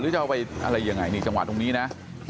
จะเอาไปอะไรยังไงนี่จังหวะตรงนี้นะ